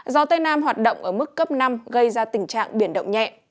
gió tây nam hoạt động ở mức cấp năm gây ra tình trạng biển động nhẹ